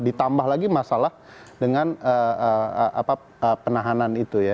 ditambah lagi masalah dengan penahanan itu ya